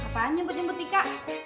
apaan nyemput nyemput tika